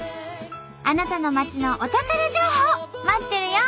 あなたの町のお宝情報待っとるよ！